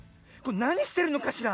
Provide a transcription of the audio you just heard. なにしてるのかしら。